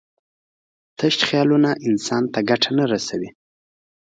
تش خیالونه انسان ته ګټه نه رسوي.